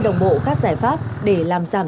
đồng bộ các giải pháp để làm giảm